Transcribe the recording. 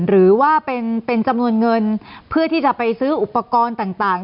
หรือว่าเป็นจำนวนเงินเพื่อที่จะไปซื้ออุปกรณ์ต่าง